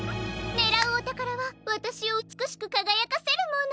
ねらうおたからはわたしをうつくしくかがやかせるもの。